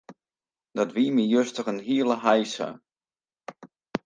Dat wie my juster in hiele heisa.